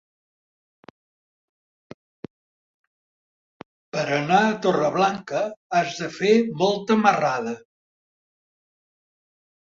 Per anar a Torreblanca has de fer molta marrada.